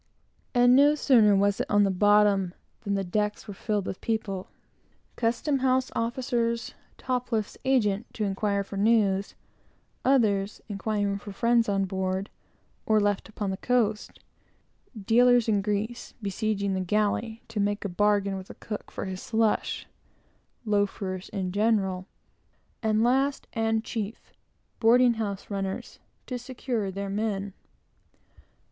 Off the end of the wharf, we rounded to and let go our anchor; and no sooner was it on the bottom, than the decks were filled with people: custom house officers; Topliff's agent, to inquire for news; others, inquiring for friends on board, or left upon the coast; dealers in grease, besieging the galley to make a bargain with the cook for his slush; "loafers" in general; and last and chief, boarding house runners, to secure their men.